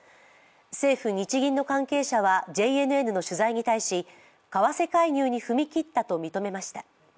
政府・日銀の関係者はＪＮＮの取材に対し為替介入に踏み切ったと認めました。